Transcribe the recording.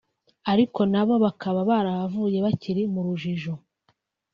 ariko na bo bakaba barahavuye bakiri mu rujijo